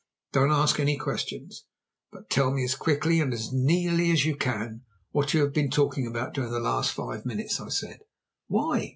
"Don't ask any questions, but tell me as quickly, and as nearly as you can, what you have been talking about during the last five minutes," I said. "Why?"